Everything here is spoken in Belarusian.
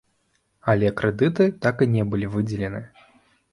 Але крэдыты так і не былі выдзелены.